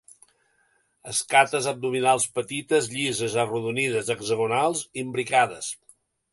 Escates abdominals petites, llises, arrodonides, hexagonals, imbricades.